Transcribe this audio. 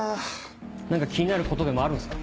何か気になることでもあるんすか？